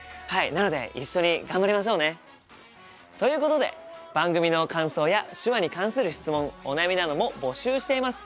なので一緒に頑張りましょうね！ということで番組の感想や手話に関する質問お悩みなども募集しています。